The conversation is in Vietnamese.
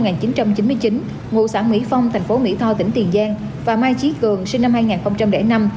ngụ xã mỹ phong thành phố mỹ tho tỉnh tiền giang và mai chí cường sinh năm hai nghìn năm